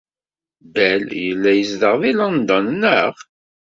Bell yella yezdeɣ deg London, naɣ?